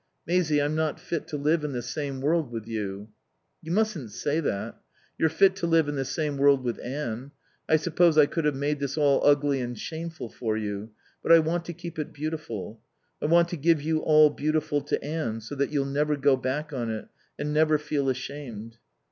"Maisie, I'm not fit to live in the same world with you." "You mustn't say that. You're fit to live in the same world with Anne. I suppose I could have made this all ugly and shameful for you. But I want to keep it beautiful. I want to give you all beautiful to Anne, so that you'll never go back on it, and never feel ashamed."